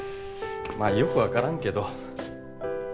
まあよく分からんけど。